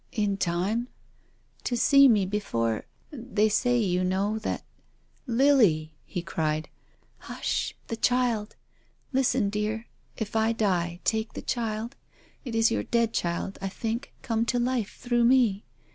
In time? "" To see me before — they say, you know, that—" " Lily !" he cried. "Hush! The child ! Listen, dear. If I die, take the child. It is your dead child, I think, come to life through me.